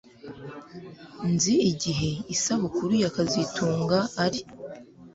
Nzi igihe isabukuru ya kazitunga ari